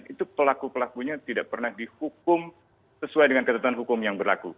itu pelaku pelakunya tidak pernah dihukum sesuai dengan ketentuan hukum yang berlaku